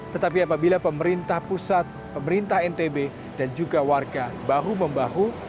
tetapi apabila pemerintah pusat pemerintah ntb dan juga warga bahu membahu